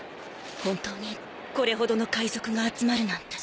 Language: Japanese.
本当にこれほどの海賊が集まるなんて。